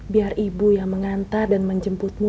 biar ibu yang mengantar dan menjemputmu